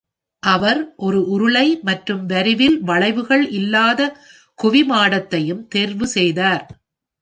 அவர் ஒரு உருளை மற்றும் வரிவில் வளைவுகள் இல்லாத குவிமாடத்தையும் தேர்வு செய்தார்.